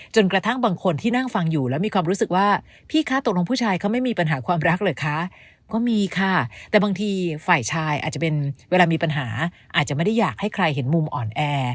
กระทั่งบางคนที่นั่งฟังอยู่แล้วมีความรู้สึกว่าพี่คะตกลงผู้ชายเขาไม่มีปัญหาความรักเหรอคะก็มีค่ะแต่บางทีฝ่ายชายอาจจะเป็นเวลามีปัญหาอาจจะไม่ได้อยากให้ใครเห็นมุมอ่อนแอ